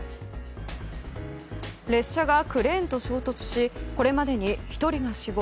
列車がクレーンと衝突しこれまでに１人が死亡